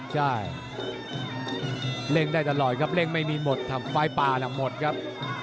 ใช่เร่งได้ตลอดครับเร่งไม่มีหมดทำไฟล์ป่าน่ะหมดครับ